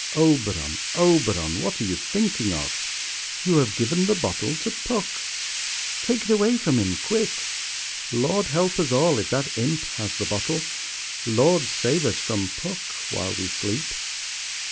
Oberon, Oberon, what are you thinking of? You have given the bottle to Puck. Take it away from him, quick. Lord help us all if that Imp has the bottle. Lord save us from Puck while we sleep.